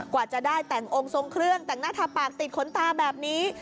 กว่าจะได้แต่งองค์ทรงเครื่องแต่งหน้าทาปากติดขนตาแบบนี้